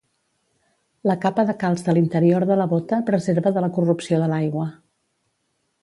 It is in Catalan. La capa de calç de l’interior de la bóta preserva de la corrupció de l’aigua.